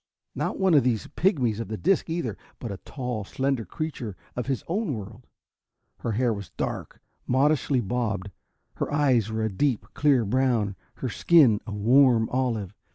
Not one of these pigmies of the disc either, but a tall, slender creature of his own world. Her hair was dark, modishly bobbed. Her eyes were a deep, clear brown, her skin a warm olive.